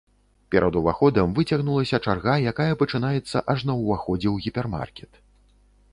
Перад уваходам выцягнулася чарга, якая пачынаецца аж на ўваходзе ў гіпермаркет.